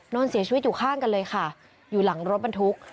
นอนเสียชีวิตอยู่ข้างกันเลยค่ะอยู่หลังรถบรรทุก